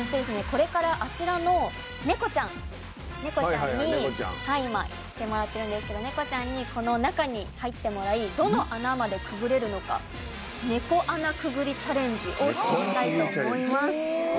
これからあちらのネコちゃんネコちゃんに今来てもらってるんですけどネコちゃんにこの中に入ってもらいどの穴までくぐれるのかネコ穴くぐりチャレンジをしてみたいと思います。